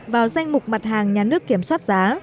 vào danh mục mặt hàng nhà nước kiểm soát giá